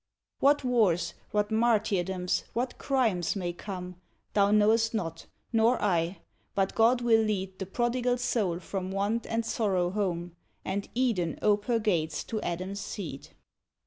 What wars, what martyrdoms, what crimes, may come, Thou knowest not, nor I; but God will lead The prodigal soul from want and sorrow home, And Eden ope her gates to Adam's seed.